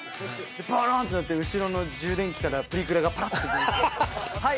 ボロンってなって後ろの充電器からプリクラがパラッて出て。